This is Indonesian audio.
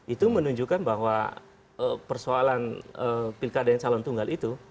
itu menunjukkan bahwa persoalan pilkada dan calon tunggal itu